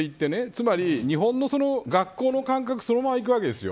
つまり、日本の学校の感覚そのままで行くわけです。